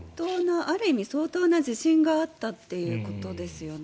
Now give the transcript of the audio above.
ある意味、相当な自信があったということですよね。